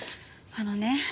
あのね